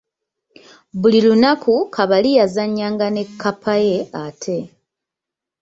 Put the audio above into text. Buli lunaku Kabali yazannya nga ne kkapa ye ate.